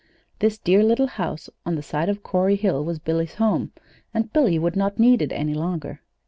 This dear little house on the side of Corey Hill was Billy's home, and Billy would not need it any longer.